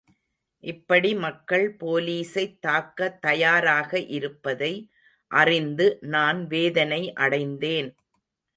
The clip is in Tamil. இப்படி மக்கள் போலீசைத் தாக்க தயாராக இருப்பதை அறிந்து நான் வேதனை அடைந்தேன்.